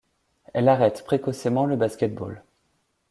Elle arrête précocement le basket-ball.